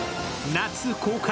夏公開！